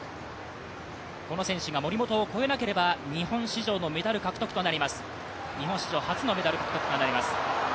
この選手が森本を越えなければ日本史上初のメダル獲得。